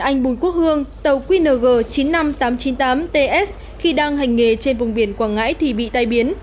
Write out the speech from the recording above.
anh bùi quốc hương tàu qng chín mươi năm nghìn tám trăm chín mươi tám ts khi đang hành nghề trên vùng biển quảng ngãi thì bị tai biến